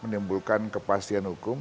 menimbulkan kepastian hukum